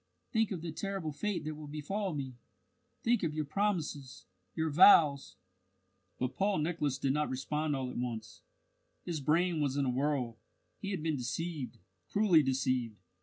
"Think of the terrible fate that will befall me! Think of your promises, your vows!" But Paul Nicholas did not respond all at once. His brain was in a whirl. He had been deceived, cruelly deceived!